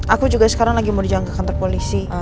aku juga sekarang lagi mau dijangka kantor polisi